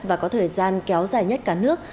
và có thời gian kéo dài nhất cả nước